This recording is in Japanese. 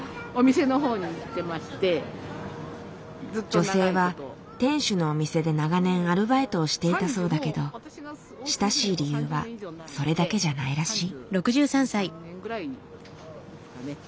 女性は店主のお店で長年アルバイトをしていたそうだけど親しい理由はそれだけじゃないらしい。